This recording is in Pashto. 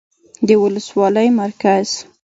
، د ولسوالۍ مرکز